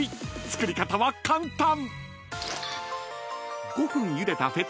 ［作り方は簡単！］